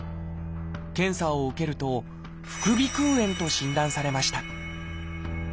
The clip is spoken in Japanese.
検査を受けると「副鼻腔炎」と診断されました